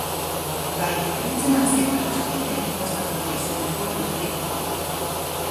Vai iepriecināsiet vecu vīru, noskatoties viņa burvju triku?